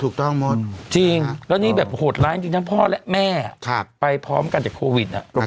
หมดจริงแล้วนี่แบบโหดร้ายจริงทั้งพ่อและแม่ไปพร้อมกันจากโควิดอ่ะ